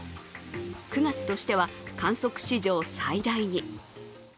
９月としては、観測史上最大に。